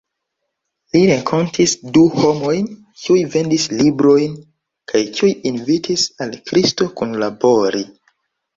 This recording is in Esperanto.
Li renkontis du homojn, kiuj vendis librojn, kaj kiuj invitis al Kristo kunlabori.